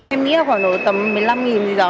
em nghĩ khoảng tầm một mươi năm gì đó